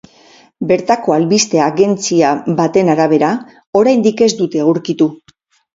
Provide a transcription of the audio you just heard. Bertako albiste agentzia baten arabera, oraindik ez dute aurkitu.